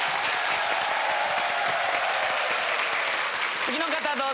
次の方どうぞ。